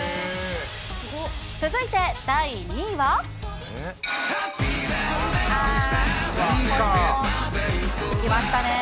続いて第２位は。来ましたね。